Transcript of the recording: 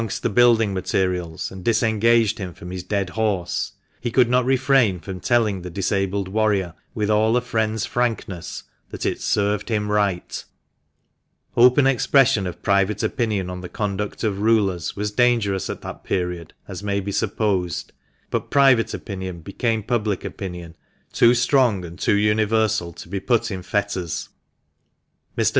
l •m nis STAR INN. THE MANCHESTER MAN. 19I building materials, and disengaged him from his dead horse, he could not refrain from telling the disabled warrior, with all a friend's frankness, that " it served him right !" Open expression of private opinion on the conduct of rulers was dangerous at that period, as may be supposed ; but private opinion became public opinion, too strong and too universal to be put in fetters. Mr.